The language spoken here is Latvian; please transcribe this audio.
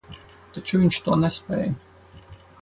Taču viņš to nespēj.